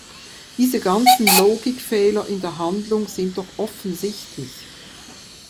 Diese ganzen Logikfehler in der Handlung sind doch offensichtlich!